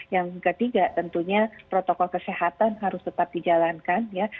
yang ketiga tentunya protokol kesehatan harus tetap dijalankan ya